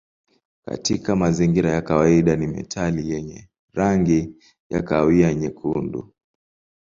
Katika mazingira ya kawaida ni metali yenye rangi ya kahawia nyekundu.